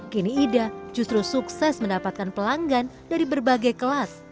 kini ida justru sukses mendapatkan pelanggan dari berbagai kelas